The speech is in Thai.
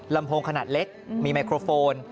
ลำโพงขนาดเล็กมีไมโครโฟน